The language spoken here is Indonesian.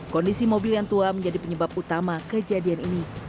kondisi mobil yang tua menjadi penyebab utama kejadian ini